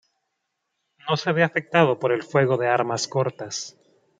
No se ve afectado por el fuego de armas cortas.